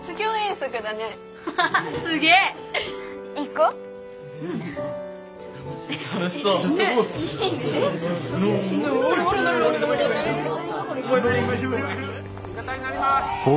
味方になります。